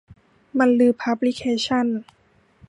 บันลือพับลิเคชั่นส์